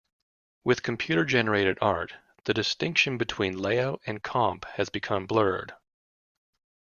With computer-generated art, the distinction between layout and comp has become blurred.